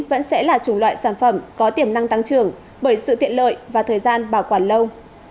vẫn sẽ là chủng loại sản phẩm có tiềm năng tăng trưởng bởi sự tiện lợi và thời gian bảo quản lâu